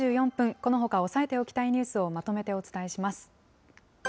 このほか押さえておきたいニュースをまとめてお伝えします。